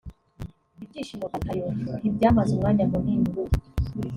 Ibyishimo bya Tayo ntibyamaze umwanya munini